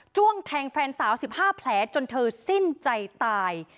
้วงแทงแฟนสาว๑๕แผลจนเธอสิ้นใจตาย